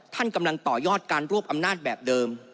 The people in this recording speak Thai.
ท่านกำลังต่อยอดการรวบอำนาจแบบเดิม